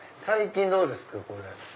最近どうですか？